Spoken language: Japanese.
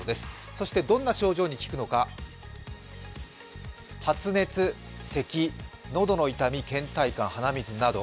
そしてどんな症状に効くのか、発熱せき、喉の痛み、けん怠感、鼻水など。